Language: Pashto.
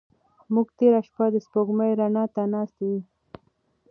موږ تېره شپه د سپوږمۍ رڼا ته ناست وو.